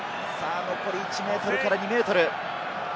残り１ｍから２ｍ。